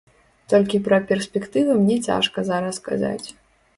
Толькі пра перспектывы мне цяжка зараз казаць.